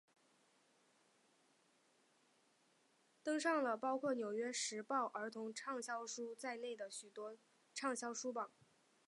登上了包括纽约时报儿童畅销书在内的许多畅销书榜。